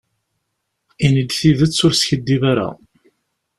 Ini-d tidet, ur skiddib ara.